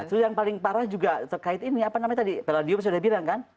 justru yang paling parah juga terkait ini apa namanya tadi peladium sudah bilang kan